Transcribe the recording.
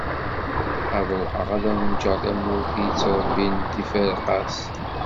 Ad ruḥeγ ad awen-ğğeγ tamurt i yettrebbin tifireԑqas.